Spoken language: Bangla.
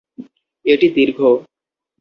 এটি দীর্ঘ।